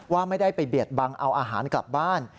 ว่าไม่ได้ไปเบียดบังเอาอาหารกลับบ้าน